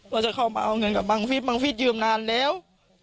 ว่าจะเข้ามาเอาเงินกับบังฟิศบังฟิศยืมนานแล้ว